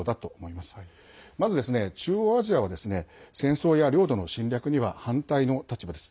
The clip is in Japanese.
まず、中央アジアは戦争や領土の侵略には反対の立場です。